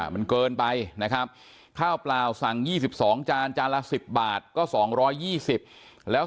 มันเกินไปนะครับข้าวเปล่าสั่ง๒๒จานจานละ๑๐บาทก็๒๒๐แล้ว